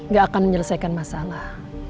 gak akan menyelesaikan masalah